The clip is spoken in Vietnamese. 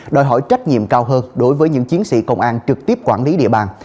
đòi hỏi trách nhiệm cao hơn đối với những chiến sĩ công an trực tiếp quản lý địa bàn